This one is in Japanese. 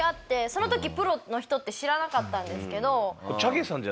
その時プロの人って知らなかったんですけど。